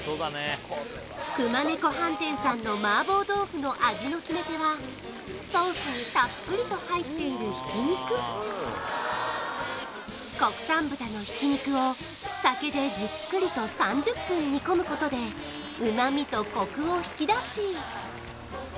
熊猫飯店さんの麻婆豆腐の味の決め手はソースにたっぷりと入っている国産豚の挽き肉を酒でじっくりと３０分煮込むことで旨みとコクを引き出し